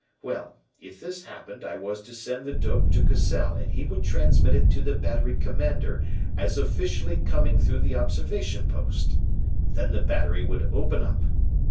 Well, if this happened, I was to send the dope to Cassell and he would transmit it to the Battery Commander as officially coming through the observation post. Then the battery would open up.